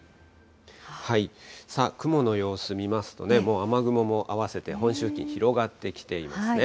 雲の様子見ますとね、もう雨雲も合わせて本州付近、広がってきていますね。